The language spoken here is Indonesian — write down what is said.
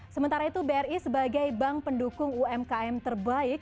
sementara itu bri sebagai bank pendukung umkm terbaik